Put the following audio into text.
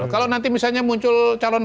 kalau nanti misalnya muncul calon